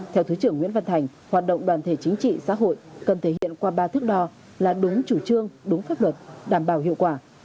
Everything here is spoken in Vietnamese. theo thứ trưởng nguyễn văn thành hoạt động đoàn thể chính trị xã hội cần thể hiện qua ba thước đo là đúng chủ trương đúng pháp luật đảm bảo hiệu quả